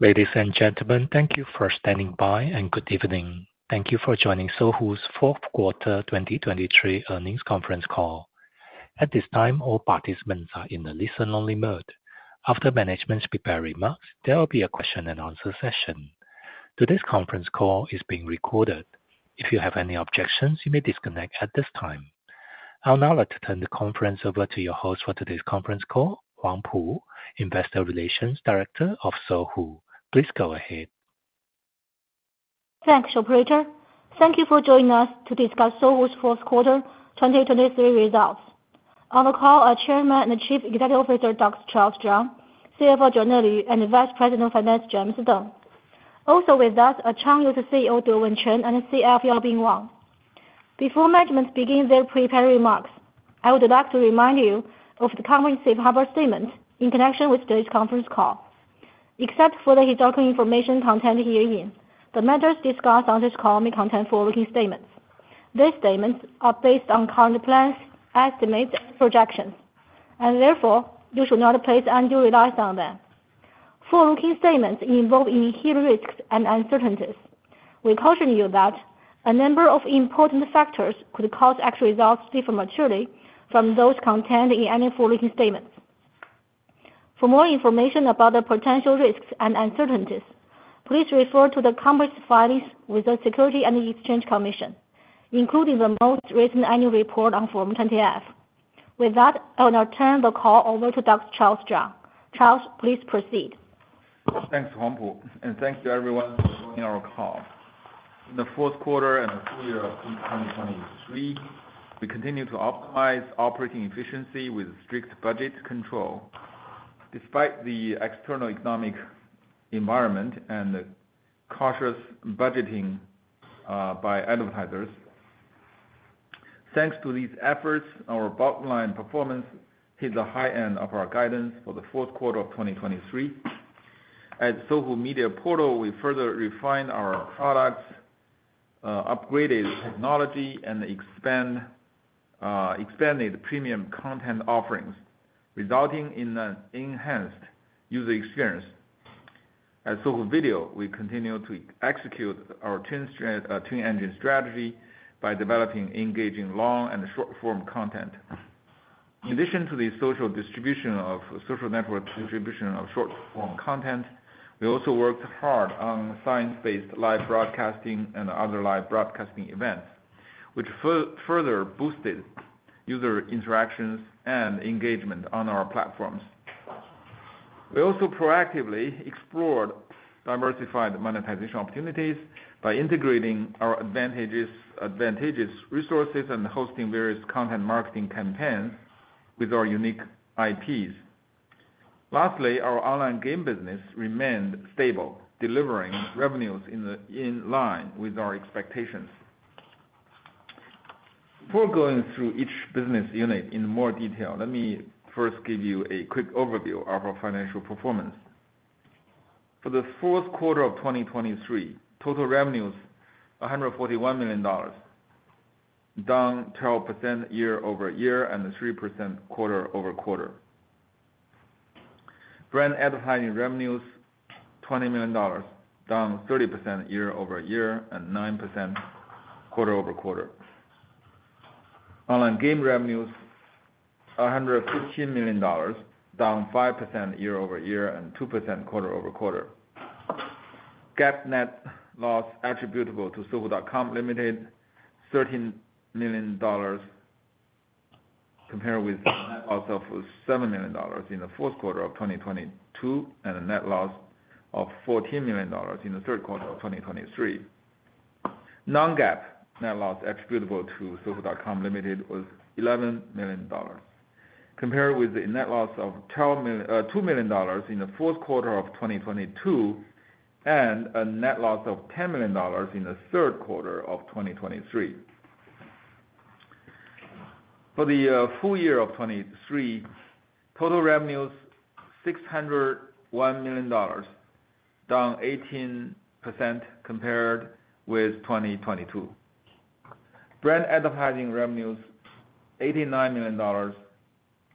Ladies and gentlemen, thank you for standing by and good evening. Thank you for joining Sohu's fourth quarter 2023 earnings conference call. At this time, all participants are in the listen-only mode. After management's prepared remarks, there will be a question-and-answer session. Today's conference call is being recorded. If you have any objections, you may disconnect at this time. I'll now like to turn the conference over to your host for today's conference call, Pu Huang, Investor Relations Director of Sohu. Please go ahead. Thanks, Operator. Thank you for joining us to discuss Sohu's fourth quarter 2023 results. On the call are Chairman and Chief Executive Officer Dr. Charles Zhang, CFO Joanna Lv, and Vice President of Finance James Deng. Also with us are Changyou's CEO Dewen Chen and CFO Yaobin Wang. Before management begins their prepared remarks, I would like to remind you of the conference's safe harbor statement in connection with today's conference call. Except for the historical information content herein, the matters discussed on this call may contain forward-looking statements. These statements are based on current plans, estimates, and projections, and therefore, you should not place undue reliance on them. Forward-looking statements involve inherent risks and uncertainties. We caution you that a number of important factors could cause actual results to differ materially from those contained in any forward-looking statements. For more information about the potential risks and uncertainties, please refer to the company filings with the Securities and Exchange Commission, including the most recent annual report on Form 20-F. With that, I will now turn the call over to Dr. Charles Zhang. Charles, please proceed. Thanks, Pu Huang. And thank you, everyone, for joining our call. In the fourth quarter and the full year of 2023, we continue to optimize operating efficiency with strict budget control. Despite the external economic environment and the cautious budgeting by advertisers, thanks to these efforts, our bottom-line performance hit the high end of our guidance for the fourth quarter of 2023. At Sohu Media Portal, we further refined our products, upgraded technology, and expanded premium content offerings, resulting in an enhanced user experience. At Sohu Video, we continue to execute our twin-engine strategy by developing engaging long- and short-form content. In addition to the social distribution of social network distribution of short-form content, we also worked hard on science-based live broadcasting and other live broadcasting events, which further boosted user interactions and engagement on our platforms. We also proactively explored diversified monetization opportunities by integrating our advantageous resources and hosting various content marketing campaigns with our unique IPs. Lastly, our online game business remained stable, delivering revenues in line with our expectations. Before going through each business unit in more detail, let me first give you a quick overview of our financial performance. For the fourth quarter of 2023, total revenues: $141 million, down 12% year-over-year and 3% quarter-over-quarter. Brand advertising revenues: $20 million, down 30% year-over-year and 9% quarter-over-quarter. Online game revenues: $115 million, down 5% year-over-year and 2% quarter-over-quarter. GAAP net loss attributable to Sohu.com Limited: $13 million compared with net loss of $7 million in the fourth quarter of 2022 and a net loss of $14 million in the third quarter of 2023. Non-GAAP net loss attributable to Sohu.com Limited was $11 million compared with a net loss of $2 million in the fourth quarter of 2022 and a net loss of $10 million in the third quarter of 2023. For the full year of 2023, total revenues: $601 million, down 18% compared with 2022. Brand advertising revenues: $89 million,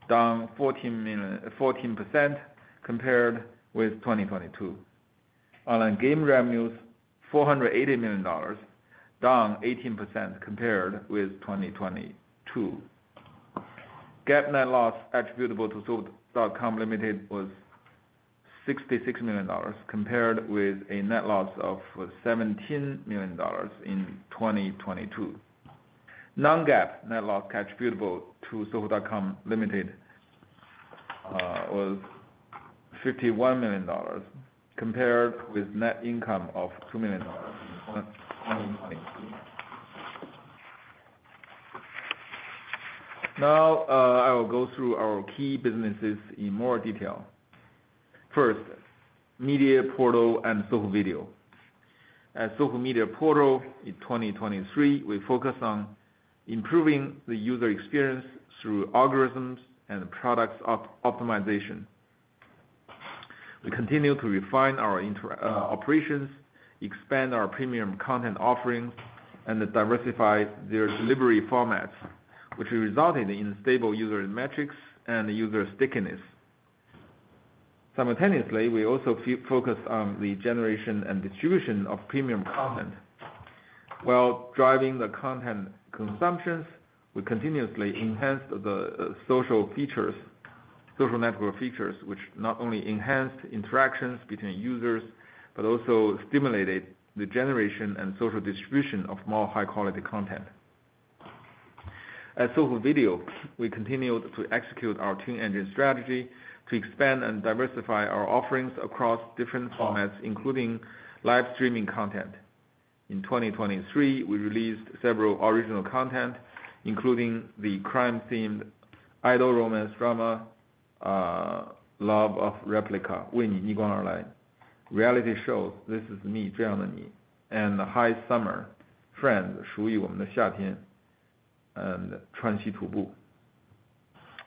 down 14% compared with 2022. Online game revenues: $480 million, down 18% compared with 2022. GAAP net loss attributable to Sohu.com Limited was $66 million compared with a net loss of $17 million in 2022. Non-GAAP net loss attributable to Sohu.com Limited was $51 million compared with net income of $2 million in 2022. Now, I will go through our key businesses in more detail. First, Media Portal and Sohu Video. At Sohu Media Portal, in 2023, we focus on improving the user experience through algorithms and product optimization. We continue to refine our operations, expand our premium content offerings, and diversify their delivery formats, which resulted in stable user metrics and user stickiness. Simultaneously, we also focused on the generation and distribution of premium content. While driving the content consumptions, we continuously enhanced the social network features, which not only enhanced interactions between users but also stimulated the generation and social distribution of more high-quality content. At Sohu Video, we continued to execute our twin-engine strategy to expand and diversify our offerings across different formats, including live streaming content. In 2023, we released several original content, including the crime-themed idol romance drama Love of Replica: 为你逆光而来, reality shows This Is Me, 这样的你, and High Summer: 朋友们, 属于我们的夏天, and 穿西徒步.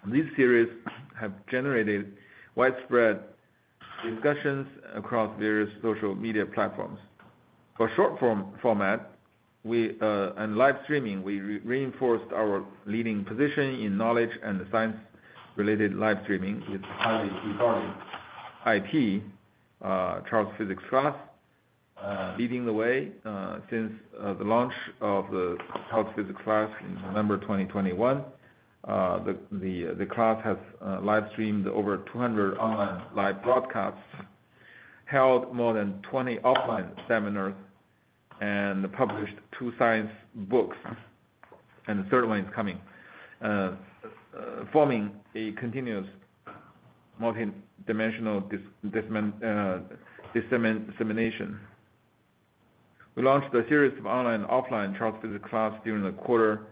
These series have generated widespread discussions across various social media platforms. For short-form format and live streaming, we reinforced our leading position in knowledge and science-related live streaming with highly regarded IP, Charles Physics Class, leading the way. Since the launch of the Charles Physics Class in November 2021, the class has live streamed over 200 online live broadcasts, held more than 20 offline seminars, and published two science books, and the third one is coming, forming a continuous multidimensional dissemination. We launched a series of online and offline Charles Physics Class during the quarter,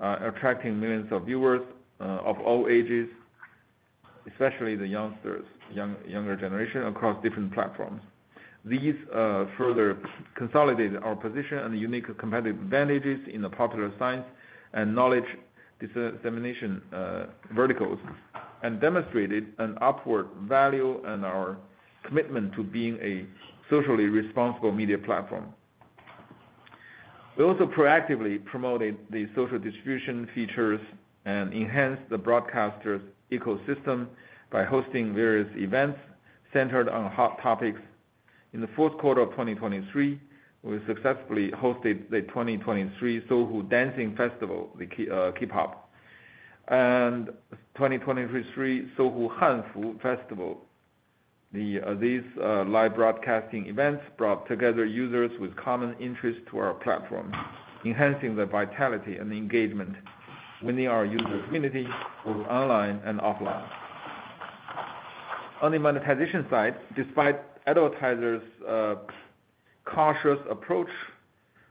attracting millions of viewers of all ages, especially the younger generation, across different platforms. These further consolidated our position and unique competitive advantages in the popular science and knowledge dissemination verticals and demonstrated an upward value and our commitment to being a socially responsible media platform. We also proactively promoted the social distribution features and enhanced the broadcaster's ecosystem by hosting various events centered on hot topics. In the fourth quarter of 2023, we successfully hosted the 2023 Sohu Dancing Festival, the K-pop, and 2023 Sohu Hanfu Festival. These live broadcasting events brought together users with common interests to our platform, enhancing the vitality and engagement, winning our user community both online and offline. On the monetization side, despite advertisers' cautious approach,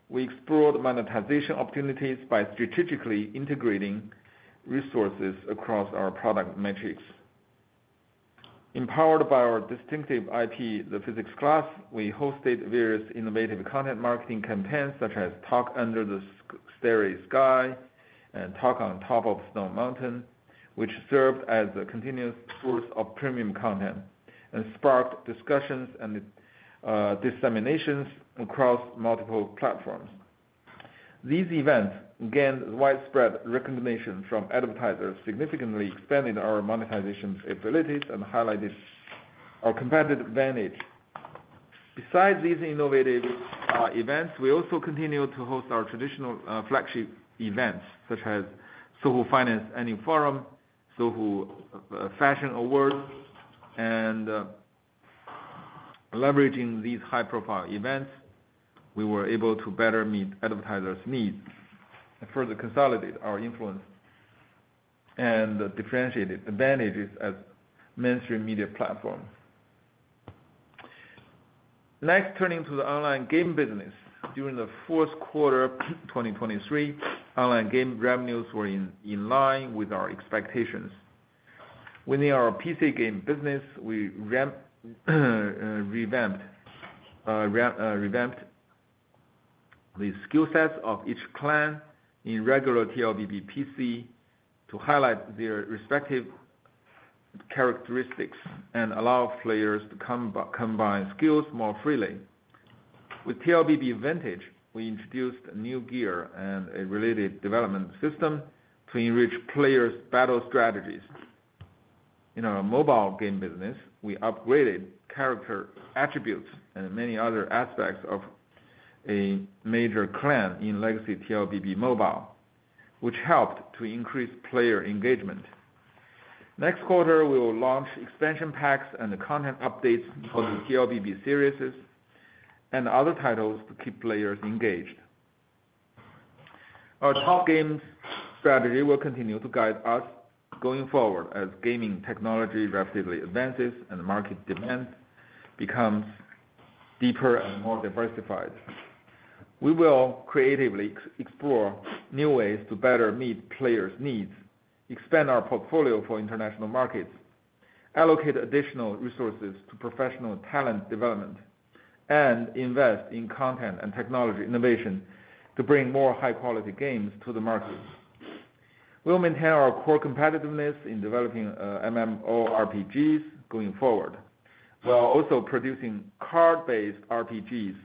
we explored monetization opportunities by strategically integrating resources across our product metrics. Empowered by our distinctive IP, the Physics Class, we hosted various innovative content marketing campaigns such as Talk Under the Starry Sky and Talk On Top of Snow Mountain, which served as a continuous source of premium content and sparked discussions and disseminations across multiple platforms. These events gained widespread recognition from advertisers, significantly expanding our monetization abilities and highlighting our competitive advantage. Besides these innovative events, we also continue to host our traditional flagship events such as Sohu Finance Annual Forum, Sohu Fashion Awards, and leveraging these high-profile events, we were able to better meet advertisers' needs and further consolidate our influence and differentiated advantages as mainstream media platforms. Next, turning to the online game business. During the fourth quarter 2023, online game revenues were in line with our expectations. Within our PC game business, we revamped the skill sets of each clan in regular TLBB PC to highlight their respective characteristics and allow players to combine skills more freely. With TLBB Vintage, we introduced new gear and a related development system to enrich players' battle strategies. In our mobile game business, we upgraded character attributes and many other aspects of a major clan in Legacy TLBB Mobile, which helped to increase player engagement. Next quarter, we will launch expansion packs and content updates for the TLBB series and other titles to keep players engaged. Our top games strategy will continue to guide us going forward as gaming technology rapidly advances and market demand becomes deeper and more diversified. We will creatively explore new ways to better meet players' needs, expand our portfolio for international markets, allocate additional resources to professional talent development, and invest in content and technology innovation to bring more high-quality games to the market. We'll maintain our core competitiveness in developing MMORPGs going forward while also producing card-based RPGs,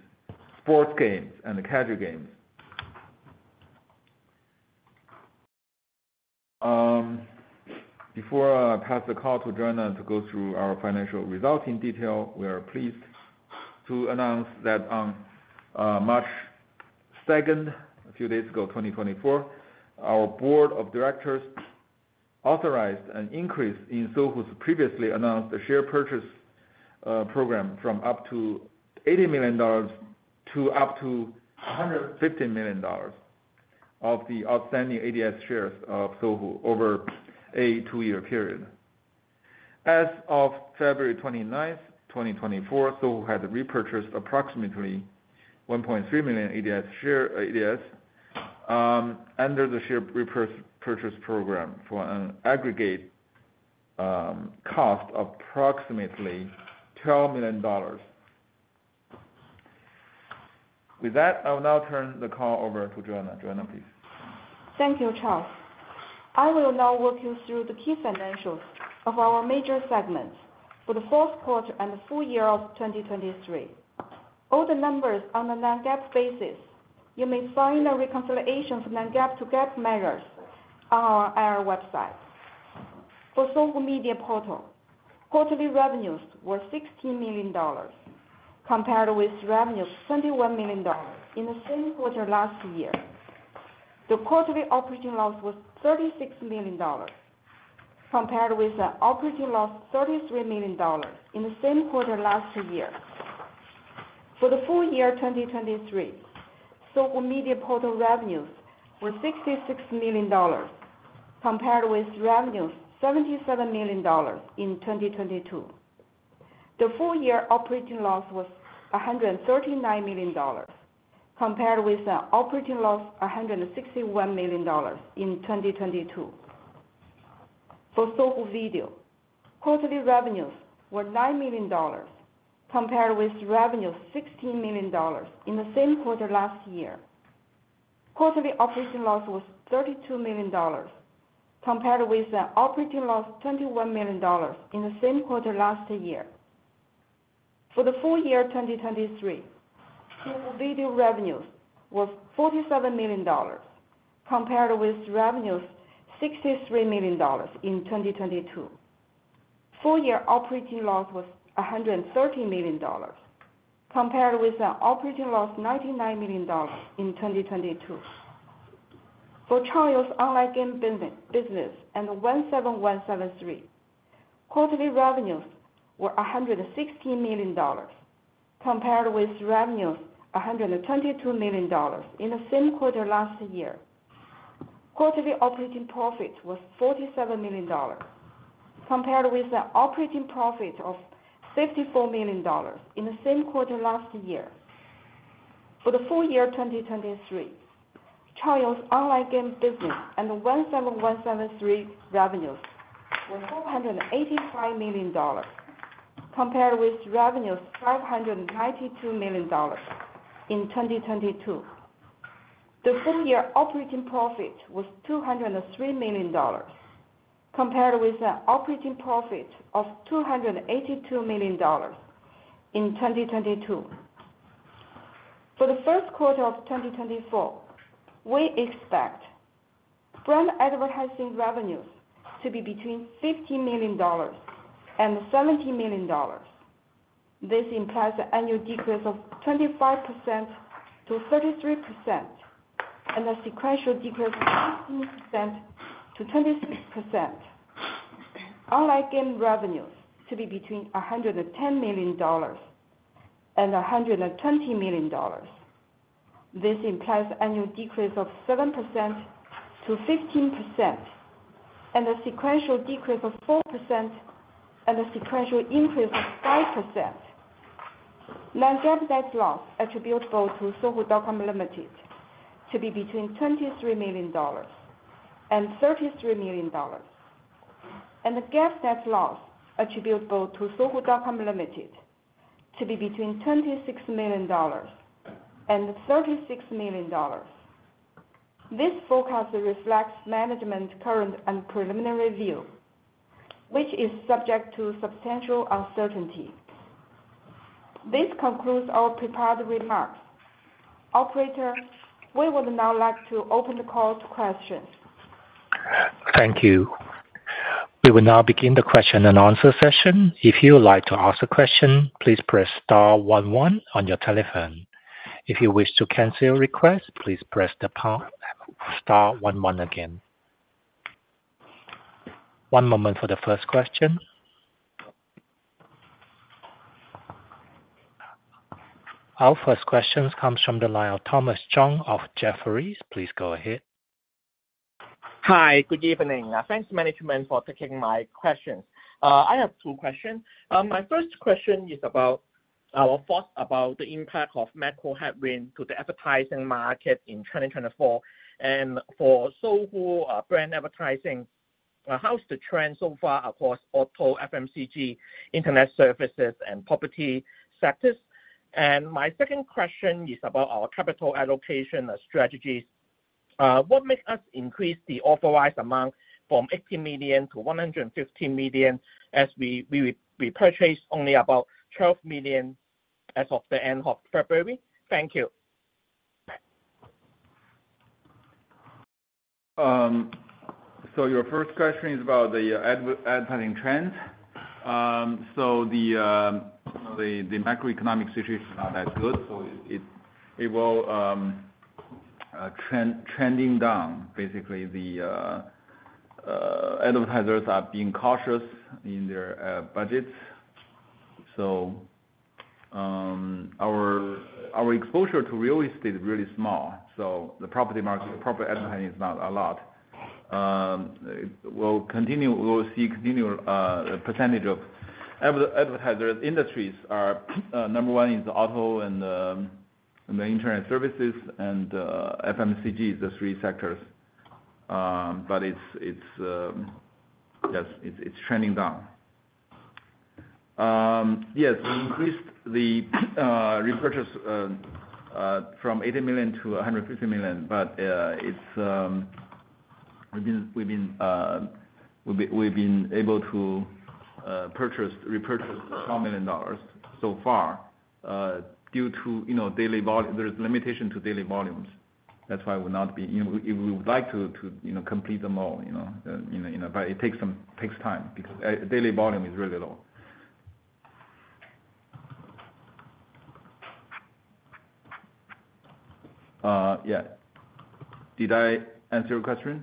sports games, and casual games. Before I pass the call to Joanna to go through our financial result in detail, we are pleased to announce that on March 2nd, 2024, a few days ago, our board of directors authorized an increase in Sohu's previously announced share purchase program from up to $80 million to up to $150 million of the outstanding ADS shares of Sohu over a two-year period. As of February 29th, 2024, Sohu had repurchased approximately 1.3 million ADS under the share purchase program for an aggregate cost of approximately $12 million. With that, I will now turn the call over to Joanna. Joanna, please. Thank you, Charles. I will now walk you through the key financials of our major segments for the fourth quarter and the full year of 2023. All the numbers on a non-GAAP basis. You may find a reconciliation for non-GAAP to GAAP measures on our website. For Sohu Media Portal, quarterly revenues were $16 million compared with revenues of $21 million in the same quarter last year. The quarterly operating loss was $36 million compared with an operating loss of $33 million in the same quarter last year. For the full year 2023, Sohu Media Portal revenues were $66 million compared with revenues of $77 million in 2022. The full year operating loss was $139 million compared with an operating loss of $161 million in 2022. For Sohu Video, quarterly revenues were $9 million compared with revenues of $16 million in the same quarter last year. Quarterly operating loss was $32 million compared with an operating loss of $21 million in the same quarter last year. For the full year 2023, Sohu Video revenues were $47 million compared with revenues of $63 million in 2022. Full year operating loss was $130 million compared with an operating loss of $99 million in 2022. For Changyou's online game business and 17173, quarterly revenues were $116 million compared with revenues of $122 million in the same quarter last year. Quarterly operating profit was $47 million compared with an operating profit of $54 million in the same quarter last year. For the full year 2023, Changyou's online game business and 17173 revenues were $485 million compared with revenues of $592 million in 2022. The full year operating profit was $203 million compared with an operating profit of $282 million in 2022. For the first quarter of 2024, we expect brand advertising revenues to be between $15 million and $70 million. This implies an annual decrease of 25%-33% and a sequential decrease of 15%-26%. Online game revenues to be between $110 million and $120 million. This implies an annual decrease of 7%-15% and a sequential decrease of 4% and a sequential increase of 5%. Non-GAAP net loss attributable to Sohu.com Limited to be between $23 million and $33 million. The GAAP net loss attributable to Sohu.com Limited to be between $26 million and $36 million. This forecast reflects management's current and preliminary view, which is subject to substantial uncertainty. This concludes our prepared remarks. Operator, we would now like to open the call to questions. Thank you. We will now begin the question and answer session. If you would like to ask a question, please press star 11 on your telephone. If you wish to cancel your request, please press the star 11 again. One moment for the first question. Our first question comes from the line of Thomas Chong of Jefferies. Please go ahead. Hi. Good evening. Thanks, management, for taking my questions. I have two questions. My first question is about our thoughts about the impact of macro headwind to the advertising market in 2024. For Sohu brand advertising, how's the trend so far across auto, FMCG, internet services, and property sectors? My second question is about our capital allocation strategies. What makes us increase the authorized amount from $80 million to $150 million as we repurchase only about $12 million as of the end of February? Thank you. Your first question is about the advertising trends. The macroeconomic situation is not that good, so it will trending down. Basically, the advertisers are being cautious in their budgets. Our exposure to real estate is really small, so the property market, the property advertising is not a lot. We will see continual percentage of advertisers. Industries are number one is auto and the internet services and FMCG, the three sectors. But yes, it's trending down. Yes, we increased the repurchase from $80 million to $150 million, but we've been able to repurchase $12 million so far due to daily volume. There's limitation to daily volumes. That's why we're not being we would like to complete them all, but it takes time because daily volume is really low. Yeah. Did I answer your question?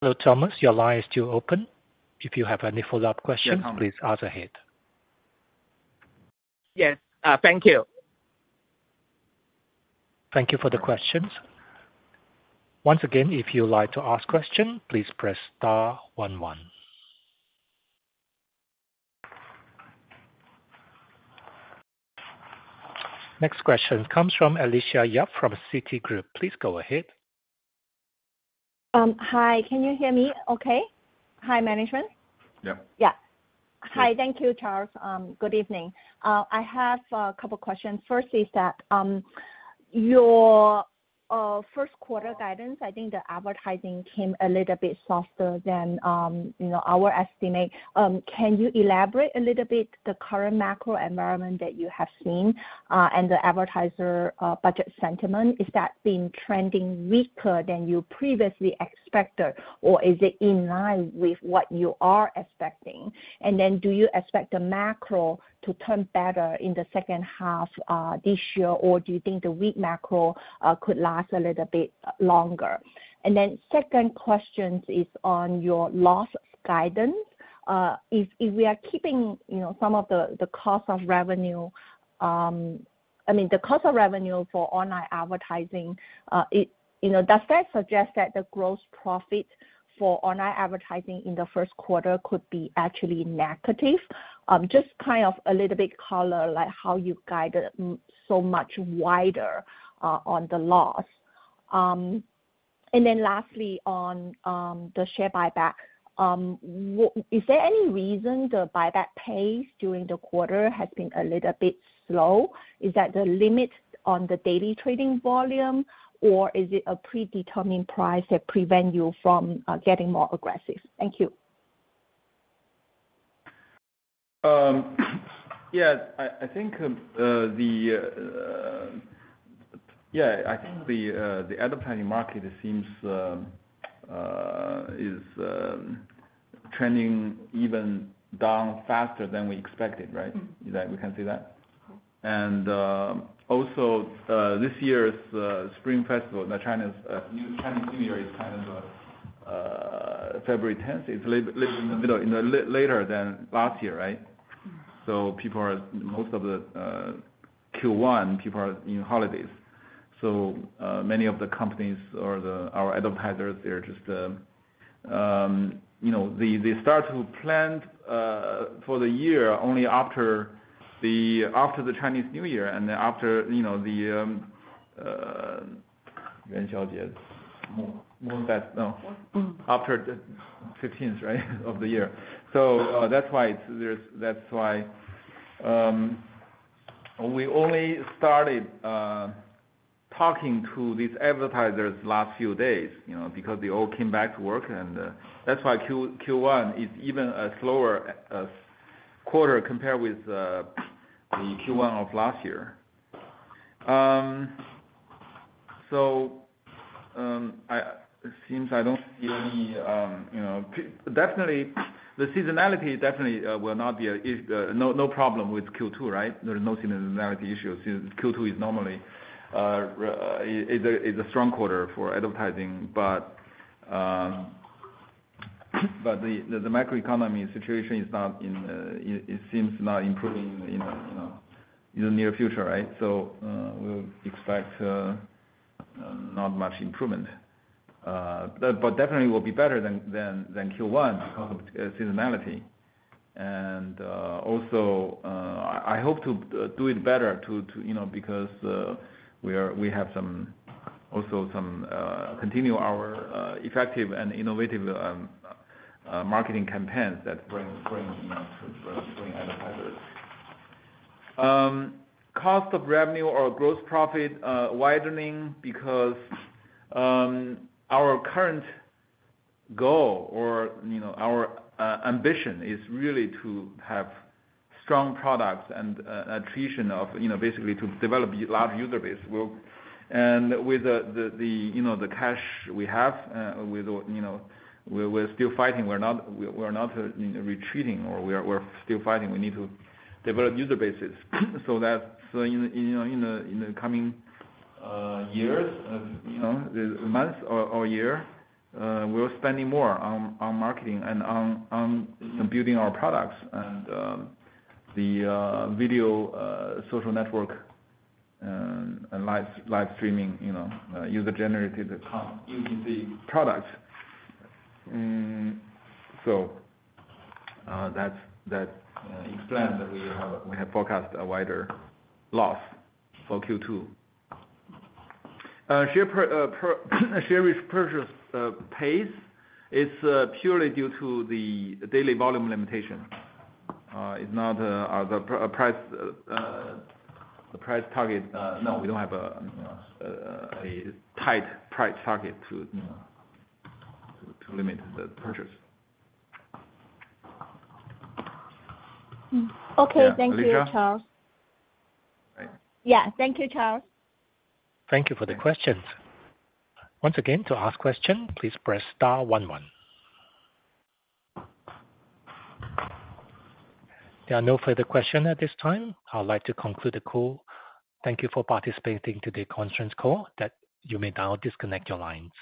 Hello, Thomas. Your line is still open. If you have any follow-up questions, please ask ahead. Yes. Thank you. Thank you for the questions. Once again, if you would like to ask a question, please press star 11. Next question comes from Alicia Yap from Citigroup. Please go ahead. Hi. Can you hear me okay? Hi, management? Yeah. Yeah.Hi. Thank you, Charles. Good evening. I have a couple of questions. First is that your first quarter guidance, I think the advertising came a little bit softer than our estimate. Can you elaborate a little bit the current macro environment that you have seen and the advertiser budget sentiment? Is that being trending weaker than you previously expected, or is it in line with what you are expecting? And then do you expect the macro to turn better in the second half this year, or do you think the weak macro could last a little bit longer? And then second question is on your loss guidance. If we are keeping some of the cost of revenue I mean, the cost of revenue for online advertising, does that suggest that the gross profit for online advertising in the first quarter could be actually negative? Just kind of a little bit color how you guided so much wider on the loss. Then lastly, on the share buyback, is there any reason the buyback pace during the quarter has been a little bit slow? Is that the limit on the daily trading volume, or is it a predetermined price that prevents you from getting more aggressive? Thank you. Yeah. I think the advertising market is trending even down faster than we expected, right? We can see that. And also, this year's Spring Festival, the Chinese New Year is kind of February 10th. It's a little bit in the middle later than last year, right? So most of the Q1, people are in holidays. So many of the companies or our advertisers, they're just start to plan for the year only after the Chinese New Year and then after the Yuan Xiaojie's no after the 15th, right, of the year. So that's why we only started talking to these advertisers last few days because they all came back to work. And that's why Q1 is even a slower quarter compared with the Q1 of last year. So it seems I don't see any definitely, the seasonality definitely will not be a no problem with Q2, right? There's no seasonality issue. Q2 is normally a strong quarter for advertising. But the macroeconomy situation is not in it seems not improving in the near future, right? So we'll expect not much improvement. But definitely, it will be better than Q1 because of seasonality. And also, I hope to do it better because we have also some continue our effective and innovative marketing campaigns that bring advertisers. Cost of revenue or gross profit widening because our current goal or our ambition is really to have strong products and attrition of basically to develop a large user base. With the cash we have, we're still fighting. We're not retreating, or we're still fighting. We need to develop user bases. So in the coming years, months, or year, we're spending more on marketing and on building our products and the video social network and live streaming user-generated products. So that explains that we have forecast a wider loss for Q2. Share repurchase pace is purely due to the daily volume limitation. It's not the price target. No, we don't have a tight price target to limit the purchase. Okay. Thank you, Charles. Yeah. Thank you, Charles. Thank you for the questions. Once again, to ask a question, please press star 11. There are no further questions at this time. I would like to conclude the call. Thank you for participating in today's conference call. You may now disconnect your lines.